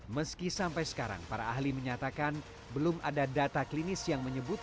meski sampai sekarang para ahli menyatakan belum ada data klinis yang menyebut